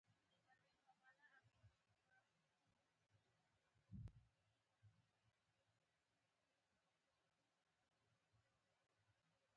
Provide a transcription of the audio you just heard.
• د غاښونو قوي کول د کلسیم سره مرسته کوي.